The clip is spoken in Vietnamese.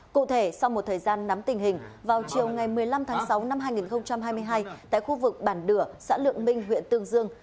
cụ thể sau một thời gian nắm tình hình vào chiều ngày một mươi năm tháng sáu năm hai nghìn hai mươi hai tại khu vực bản đửa xã lượng minh huyện tương dương